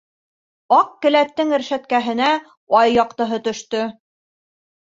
Аҡ келәттең рәшәткәһенә ай яҡтыһы төштө.